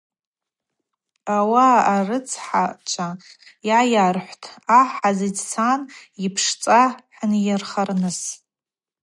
Ауаъа арыцхӏачва йгӏайархӏвтӏ: Ахӏ хӏгӏазиццатӏ йыпшцӏа хӏынйырхарныс.